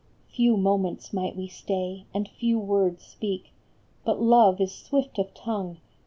Few moments might we stay, and few words speak ; But love is swift of tongue